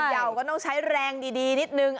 เห่าก็ต้องใช้แรงดีนิดนึง